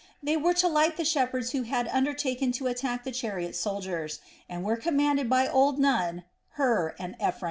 They were to light the shepherds who had undertaken to attack the chariot soldiers, and were commanded by old Nun, Hur, and Ephraim.